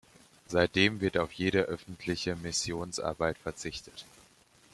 Seitdem wird auf jede öffentliche Missionsarbeit verzichtet.